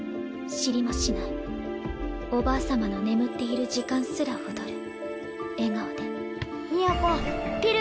知りもしないおばあ様の眠っている時間すら踊る。